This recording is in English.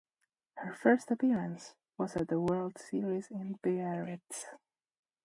Her first appearance was at the World Series in Biarritz.